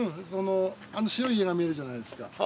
あの白い家が見えるじゃないですか。